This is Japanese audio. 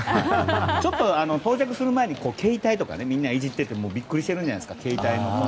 ちょっと、到着する前に携帯とかみんないじっててビックリしてるんじゃないですか。